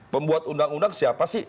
pembuat undang undang siapa sih